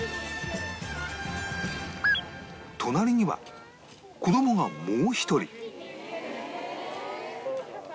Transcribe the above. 隣には子どもがもう１人